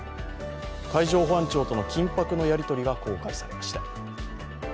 海上保安庁との緊迫のやり取りが公開されました。